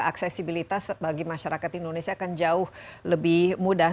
aksesibilitas bagi masyarakat indonesia akan jauh lebih mudah